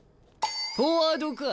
フォワードか。